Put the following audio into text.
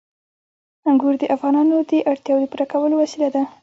انګور د افغانانو د اړتیاوو د پوره کولو وسیله ده.